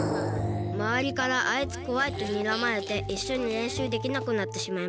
まわりから「あいつこわい」とにらまれていっしょにれんしゅうできなくなってしまいました。